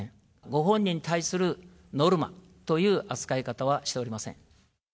ご本人に対するノルマという扱い方はしておりません。